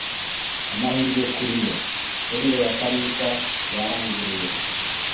Amahirwe kuri bo, selile ya Kalisa yaranguruye